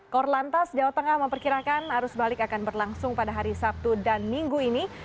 korlantas jawa tengah memperkirakan arus balik akan berlangsung pada hari sabtu dan minggu ini